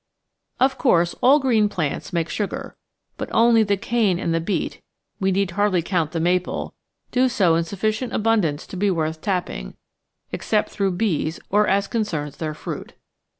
Of course all green plants make sugar, but only the cane and the beet we need hardly count the maple do so in sufficient abundance to be worth tapping, except through bees or as concerns their fruit.